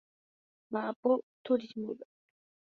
Mba'apo turismope.